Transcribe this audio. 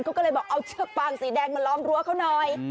เขาก็เลยบอกเอาเชือกฟางสีแดงมาล้อมรั้วเขาหน่อย